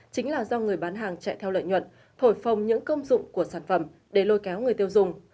chính là do người bán hàng chạy theo lợi nhuận thổi phồng những công dụng của sản phẩm để lôi kéo người tiêu dùng